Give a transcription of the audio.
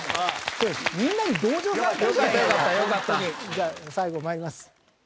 じゃあ最後まいります。